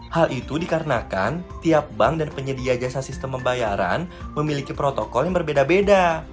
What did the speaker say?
hal itu dikarenakan tiap bank dan penyedia jasa sistem pembayaran memiliki protokol yang berbeda beda